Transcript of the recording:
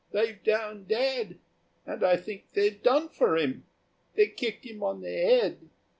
"They've downed dad.... And I think they've done for him.... They kicked him on the head....